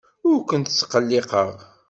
Ur kent-ttqelliqeɣ.